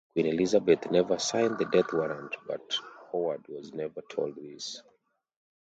Queen Elizabeth never signed the death warrant, but Howard was never told this.